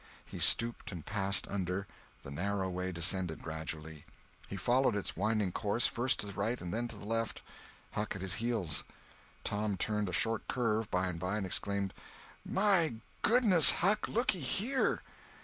He stooped and passed under; the narrow way descended gradually. He followed its winding course, first to the right, then to the left, Huck at his heels. Tom turned a short curve, by and by, and exclaimed: "My goodness, Huck, lookyhere!"